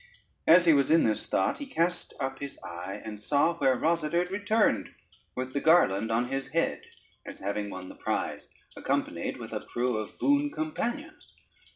As he was in his thought, he cast up his eye, and saw where Rosader returned with the garland on his head, as having won the prize, accompanied with a crew of boon companions.